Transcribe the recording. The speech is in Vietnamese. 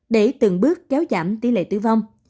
để từng bước kéo giảm tỷ lệ tử vong